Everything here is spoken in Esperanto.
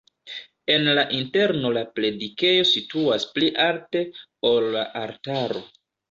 En la interno la predikejo situas pli alte, ol la altaro.